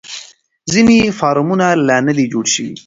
ځینې فارمونه لا نه دي جوړ شوي.